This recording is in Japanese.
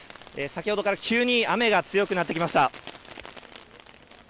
先ほどから急に雨が強くなってきました。